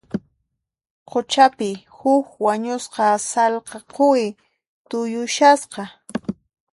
Quchapi, huk wañusqa sallqa quwi tuyushasqa.